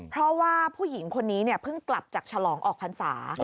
เพราะว่าผู้หญิงคนนี้เพิ่งกลับจากฉลองออกพรรษา